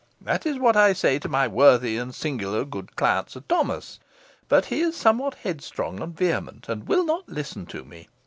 That is what I say to my worthy and singular good client, Sir Thomas; but he is somewhat headstrong and vehement, and will not listen to me.